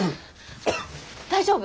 大丈夫？